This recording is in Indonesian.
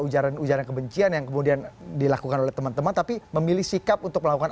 ujaran ujaran kebencian yang kemudian dilakukan oleh teman teman tapi memilih sikap untuk melakukan